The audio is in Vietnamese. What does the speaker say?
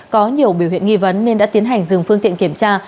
có nhiều biểu hiện nghi vấn nên đã tiến hành dừng phương tiện kiểm tra